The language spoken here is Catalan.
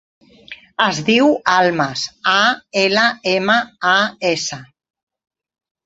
Es diu Almas: a, ela, ema, a, essa.